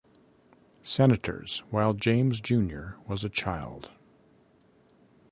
Senators while James Junior was a child.